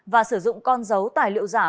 và sử dụng con dấu tài liệu giả